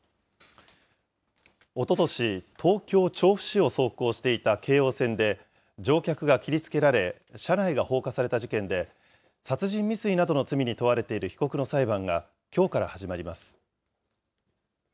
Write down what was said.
おととし、東京・調布市を走行していた京王線で、乗客が切りつけられ、車内が放火された事件で、殺人未遂などの罪に問われている被告の裁判がきょうから始まります。